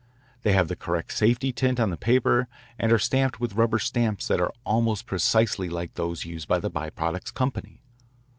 They have the correct safety tint on the paper and are stamped with rubber stamps that are almost precisely like those used by the By Products Company.